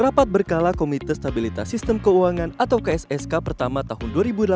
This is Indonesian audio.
rapat berkala komite stabilitas sistem keuangan atau kssk pertama tahun dua ribu delapan belas